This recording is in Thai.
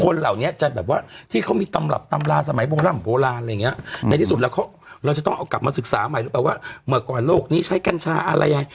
คนเหล่านี้จะแบบว่าที่เขามีตำหรับตำราสมัยโบราณอะไรอย่างเงี้ยในที่สุดเราจะต้องเอากลับมาศึกษาใหม่รู้ปะว่าเมื่อกว่าโลกนี้ใช้กั้นชาอะไรไง